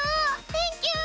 テンキュー！